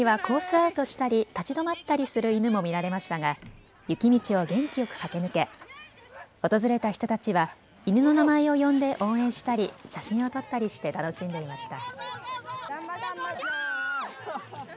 アウトしたり立ち止まったりする犬も見られましたが雪道を元気よく駆け抜け訪れた人たちは犬の名前を呼んで応援したり写真を撮ったりして楽しんでいました。